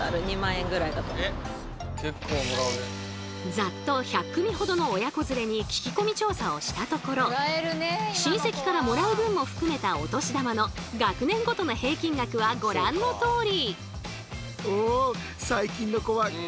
ざっと１００組ほどの親子連れに聞き込み調査をしたところ親戚からもらう分も含めたお年玉の学年ごとの平均額はご覧のとおり。